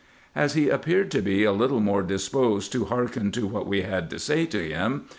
As he appeared to be a little more disposed to hearken to what we had to say to him.